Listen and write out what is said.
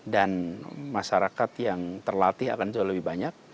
dan masyarakat yang terlatih akan jauh lebih banyak